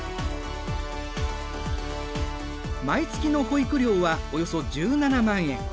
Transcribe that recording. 毎月の保育料はおよそ１７万円。